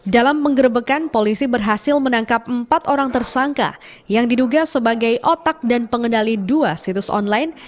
dalam penggerbekan polisi berhasil menangkap empat orang tersangka yang diduga sebagai otak dan pengendali dua situs online